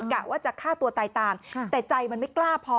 กะว่าจะฆ่าตัวตายตามแต่ใจมันไม่กล้าพอ